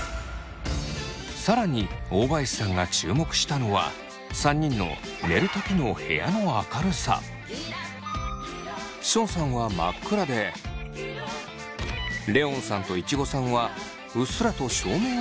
更に大林さんが注目したのは３人の寝る時のションさんは真っ暗でレオンさんといちごさんはうっすらと照明をつけて寝ています。